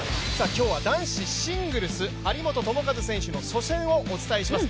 今日は、男子シングルス張本智和選手の初戦をお伝えします。